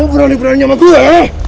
lo berani beraninya sama gue ya